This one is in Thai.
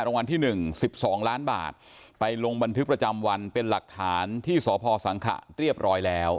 รางวัลที่๑๑๒ล้านบาทไปลงบันทึกประจำวันเป็นหลักฐานที่สพสังขะเรียบร้อยแล้ว